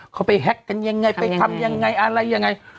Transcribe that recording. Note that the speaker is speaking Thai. เขาไปแฮ็กกันยังไงไปทำยังไงอะไรยังไง